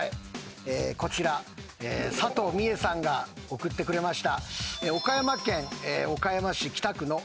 こちらさとうみえさんが送ってくれました。